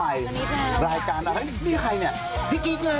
รายการใหม่รายการที่นี่ใครเนี่ยพี่กิ๊กไง